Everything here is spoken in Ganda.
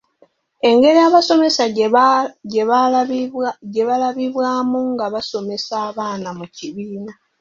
Engeri abasomesa gye baalabibwamu nga basomesa abaana mu kibiina.